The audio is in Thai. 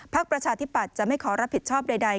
ประชาธิปัตย์จะไม่ขอรับผิดชอบใด